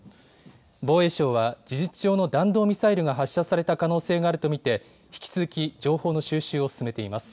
防衛省は、事実上の弾道ミサイルが発射された可能性があると見て、引き続き情報の収集を進めています。